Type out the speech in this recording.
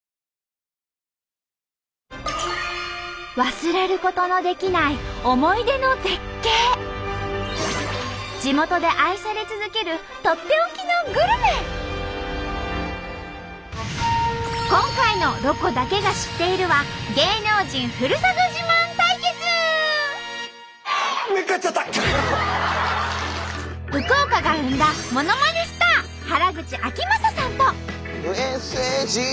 忘れることのできない地元で愛され続ける今回の「ロコだけが知っている」は福岡が生んだものまねスター原口あきまささんと。